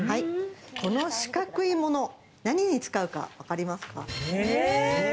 この四角いもの、何に使うか分かりますか？